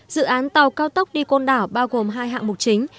dự án tàu cao tốc đi côn đảo bao gồm hai hạng mục chính